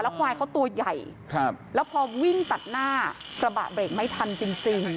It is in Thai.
ควายเขาตัวใหญ่แล้วพอวิ่งตัดหน้ากระบะเบรกไม่ทันจริง